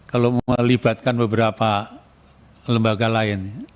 kalau melibatkan beberapa lembaga lain